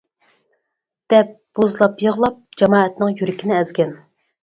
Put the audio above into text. دەپ، بوزلاپ يىغلاپ، جامائەتنىڭ يۈرىكىنى ئەزگەن.